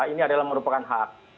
ini adalah merupakan hak